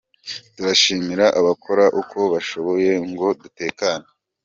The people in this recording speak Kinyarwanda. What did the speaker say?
Turashimira abakora uko bashoboye ngo dutekane.